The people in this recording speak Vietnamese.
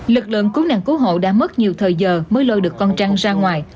lực lượng cứu nạn cứu hộ đã mất nhiều thời giờ mới lôi được con trăn ra ngoài